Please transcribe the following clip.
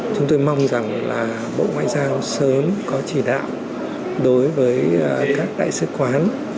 chúng tôi mong rằng là bộ ngoại giao sớm có chỉ đạo đối với các đại sứ quán